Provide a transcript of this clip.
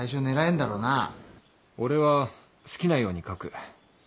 俺は好きなように書く。